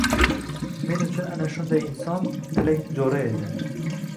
Men uchun ana shunday inson Tilak Jo‘ra edi…